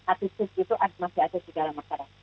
adus adus itu masih ada di dalam masyarakat